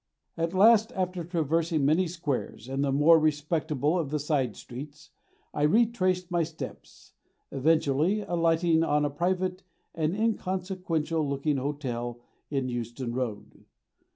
At last after traversing many squares and the more respectable of the side streets, I retraced my steps, eventually alighting on a private and inconsequential looking hotel in Euston Road.